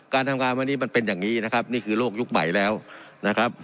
การทำงานวันนี้มันเป็นอย่างนี้นะครับนี่คือโลกยุคใหม่แล้วนะครับ